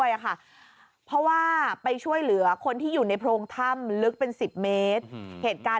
ตกลงเขาตกลงไปเขาตั้งใจเข้าไปเขาอ